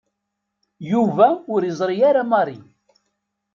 Yuba ur yeẓri ara Mary.